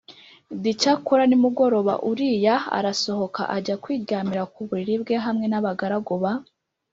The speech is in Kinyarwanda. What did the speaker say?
d Icyakora nimugoroba Uriya arasohoka ajya kwiryamira ku buriri bwe hamwe n abagaragu ba